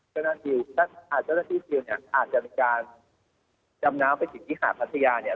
เจ้าหน้าที่ทิวเนี่ยอาจจะมีการดำน้ำไปถึงที่หาดพัทยาเนี่ย